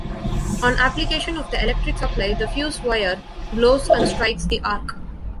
On application of the electric supply, the fuse wire 'blows' and strikes the arc.